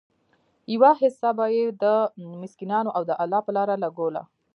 يوه حيصه به ئي د مسکينانو او د الله په لاره لګوله